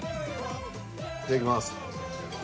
いただきます。